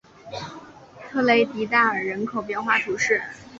特雷迪代尔人口变化图示